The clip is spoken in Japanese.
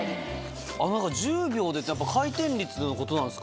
あの何か１０秒でってやっぱ回転率のことなんですかね？